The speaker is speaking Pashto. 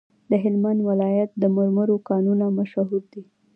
د هلمند ولایت د مرمرو کانونه مشهور دي؟